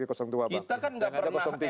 kita kan enggak pernah emosi